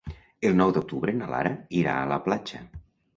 El nou d'octubre na Lara irà a la platja.